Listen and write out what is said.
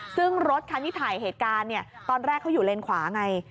ซึ่งรถคันที่ถ่ายเหตุการณ์เนี่ยตอนแรกเขาอยู่เลนขวาไง